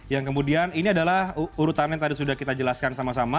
yang kemudian ini adalah urutannya tadi sudah kita jelaskan sama sama